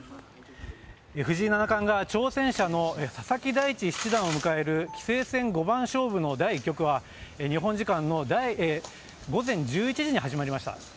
藤井七冠が挑戦者の佐々木大地七段を迎える棋聖戦五番勝負の第１局は、日本時間の午前１１時に始まりました。